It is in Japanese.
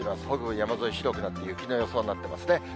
北部山沿い白くなって雪の予想になってますね。